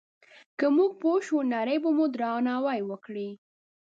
که موږ پوه شو، نړۍ به مو درناوی وکړي.